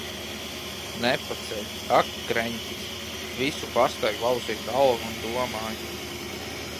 Nepaceļ. Ak, kreņķis! Visu pastaigu lauzīju galvu un domāju.